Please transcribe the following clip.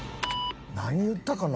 何言ったかな？